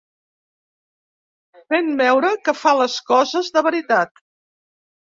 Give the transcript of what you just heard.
Fent veure que fa les coses de veritat.